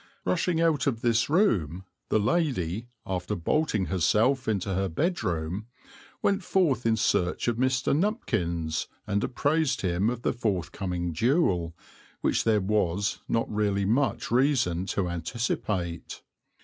Rushing out of this room the lady, after bolting herself into her bedroom, went forth in search of Mr. Nupkins and apprised him of the forthcoming duel, which there was not really much reason to anticipate.